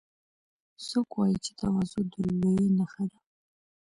څوک وایي چې تواضع د لویۍ نښه ده